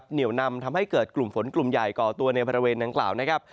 เหนียวนำทำให้เกิดกลุ่มฝนกลุ่มใหญ่ก่อตัวในบริเวณดังกล่าวนะครับ